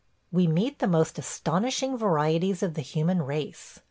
... We meet the most astonishing varieties of the human race.